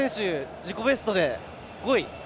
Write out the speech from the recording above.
自己ベストで５位。